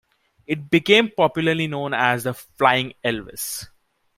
It became popularly known as the "Flying Elvis".